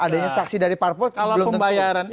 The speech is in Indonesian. adanya saksi dari parpo belum tentu kalau pembayaran